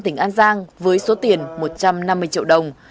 tỉnh an giang với số tiền một trăm năm mươi triệu đồng